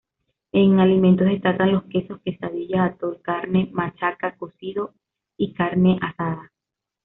En alimentos destacan los quesos, quesadillas, atole, carne, machaca, cocido y carne asada.